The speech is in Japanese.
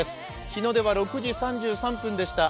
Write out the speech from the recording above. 日の出は６時３３分でした。